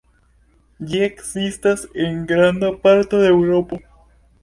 Ĝi ekzistas en granda parto de Eŭropo.